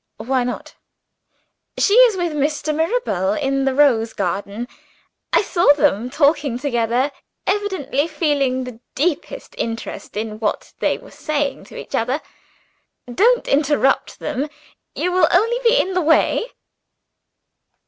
"Why not?" "She is with Mr. Mirabel in the rose garden. I saw them talking together evidently feeling the deepest interest in what they were saying to each other. Don't interrupt them you will only be in the way."